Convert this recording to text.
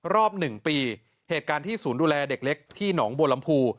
รอบ๑ปีเหตุการณ์ที่ศูนย์ดูแลเด็กเล็กที่หนองบัวลำพู